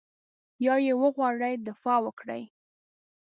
یا یې وغواړي دفاع وکړي.